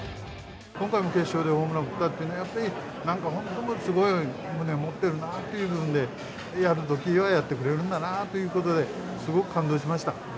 今回も決勝でホームランを打ったってね、やっぱりなんか本当にすごい、ムネ持ってるなっていう部分で、やるときはやってくれるんだなということで、すごく感動しました。